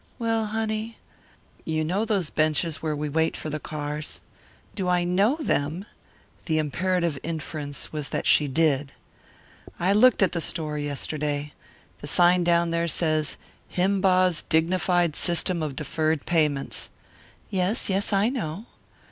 "Well, honey." "You know those benches where we wait for the cars?" "Do I know them?" The imperative inference was that she did. "I looked at the store yesterday. The sign down there says 'Himebaugh's dignified system of deferred payments.'" "Yes, yes, I know."